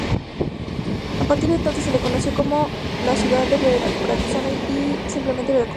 A partir de entonces, se le conoció como ciudad de Veracruz o simplemente, Veracruz.